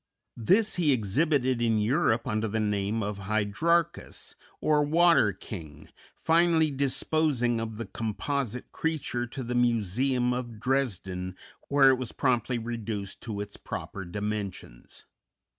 This he exhibited in Europe under the name of Hydrarchus, or water king, finally disposing of the composite creature to the Museum of Dresden, where it was promptly reduced to its proper dimensions.